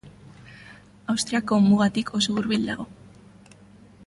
Austriako mugatik oso hurbil dago.